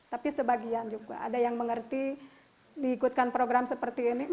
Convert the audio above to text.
tapi sebagian juga ada yang mengerti diikutkan program seperti ini